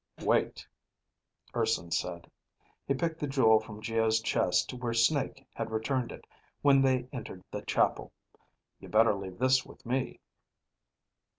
"Wait," Urson said. He picked the jewel from Geo's chest where Snake had returned it when they entered the chapel. "You better leave this with me."